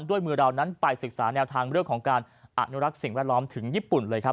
ด้วยมือเรานั้นไปศึกษาแนวทางเรื่องของการอนุรักษ์สิ่งแวดล้อมถึงญี่ปุ่นเลยครับ